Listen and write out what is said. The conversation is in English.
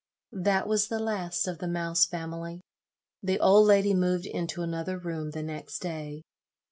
That was the last of the Mouse family. The old lady moved into another room the next day.